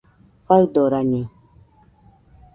Faɨdoraño